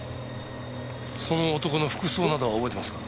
その男の服装などは覚えてますか？